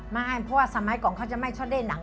ให้เพราะว่าสมัยก่อนเขาจะไม่ชอบได้หนัง